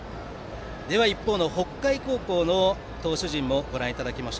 一方の北海高校の投手陣もご覧いただきます。